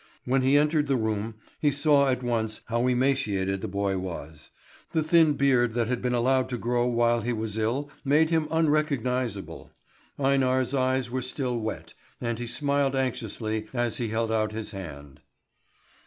When he entered the room, he saw at once how emaciated the boy was. The thin beard that had been allowed to grow while he was ill made him unrecognisable. Einar's eyes were still wet, and he smiled anxiously as he held out his hand.